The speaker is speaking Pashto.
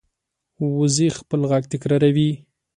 وزې خپل غږ تکراروي